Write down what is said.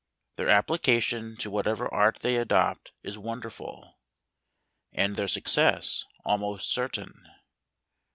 Their application to what¬ ever art they adopt is wonderful, and their suc¬ cess almost certain.